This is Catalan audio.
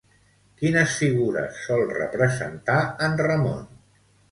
Quines figures sol representar en Ramon?